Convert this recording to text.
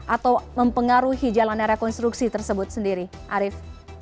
atau mempengaruhi jalannya rekonstruksi tersebut sendiri arief